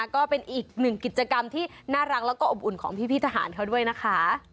ก็เป็นอีกหนึ่งกิจกรรมที่น่ารักแล้วก็อบอุ่นของพี่ทหารเขาด้วยนะคะ